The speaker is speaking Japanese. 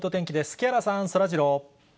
木原さん、そらジロー。